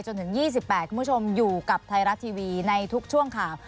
จนถึง๒๘คุณผู้ชมอยู่กับไทยรัฐทีวีในทุกช่วงข่าว